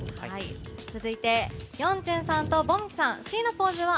続いてヨンジュンさんとボムギュさん。